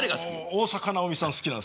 大坂なおみさん好きなんですね。